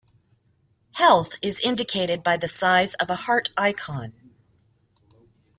Health is indicated by the size of a heart icon.